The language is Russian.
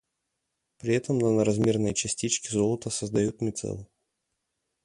при этом наноразмерные частички золота создают мицеллу.